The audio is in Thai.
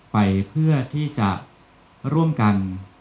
ไปเพื่อที่จะร่วมกัน